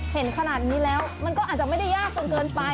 เห็นขนาดนี้แล้วมันก็อาจจะไม่ได้ยากจนเกินไป